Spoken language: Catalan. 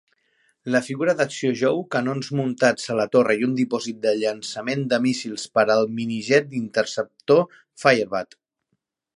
La figura d'acció Joe, canons muntats a la torre i un dipòsit de llançament de míssils per al mini-jet interceptor Firebat.